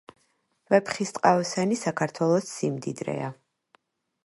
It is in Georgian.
ვეფხისტყაოსანი საქართველოს სიმდიდრეა